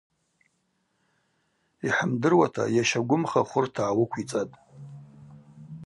Йхӏымдыруата йаща гвымха хвырта гӏауыквицӏатӏ.